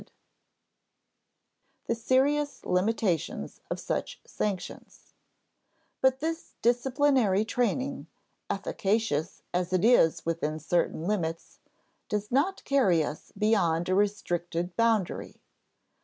[Sidenote: The serious limitations of such sanctions] But this disciplinary training, efficacious as it is within certain limits, does not carry us beyond a restricted boundary.